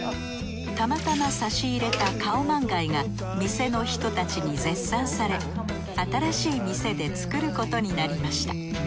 たまたま差し入れたカオマンガイが店の人たちに絶賛され新しい店で作ることになりました。